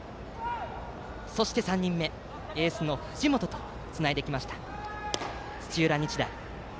そして、３人目のエースの藤本とつないできました土浦日大。